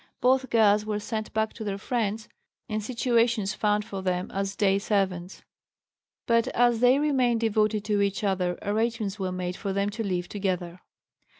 Both girls were sent back to their friends, and situations found for them as day servants. But as they remained devoted to each other arrangements were made for them to live together.